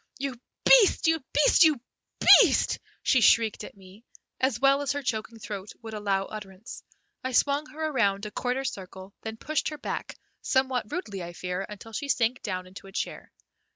"You beast, you beast, you beast!" she shrieked at me, as well as her choking throat would allow utterance. I swung her around a quarter circle, then pushed her back, somewhat rudely I fear, until she sank down into a chair.